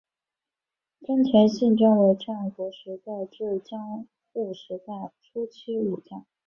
真田信胜为战国时代至江户时代初期武将。